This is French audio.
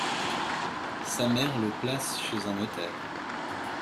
Sa mère le place chez un notaire.